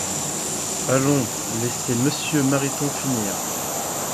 Allons, laissez Monsieur Mariton finir